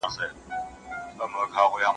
په ګوګل کې یې سرچ کړئ.